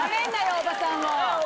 おばさんを。